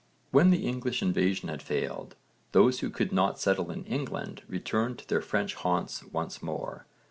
When the English invasion had failed, those who could not settle in England returned to their French haunts once more.